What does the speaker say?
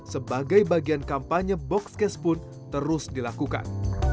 sebagai bagian kampanye boxcase pun terus dilakukan